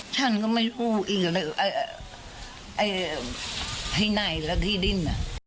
ฉันก็ไม่พูดอีกเลยที่ไหนและที่ดิน